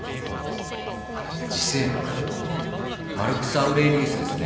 『自省録』マルクス・アウレーリウスですね。